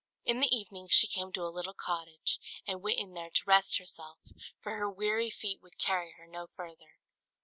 In the evening she came to a little cottage, and went in there to rest herself, for her weary feet would carry her no further.